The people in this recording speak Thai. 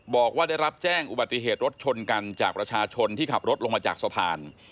บอกว่าได้รับแจ้งอุบัติเหตุรถชนกันจากประชาชนที่ขับรถลงมาจากสะพาน